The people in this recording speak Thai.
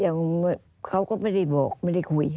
อันดับ๖๓๕จัดใช้วิจิตร